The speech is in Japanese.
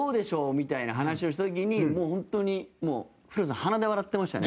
みたいな話をした時にもう、本当に、古田さん鼻で笑ってましたよね？